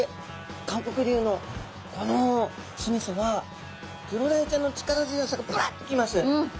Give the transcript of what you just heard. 韓国流のこの酢みそはクロダイちゃんの力強さがバッと来ます。